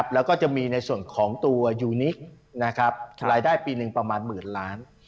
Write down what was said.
แล้วก็จะมีในส่วนของตัวยูนิครายได้ปีหนึ่งประมาณหมื่นล้าน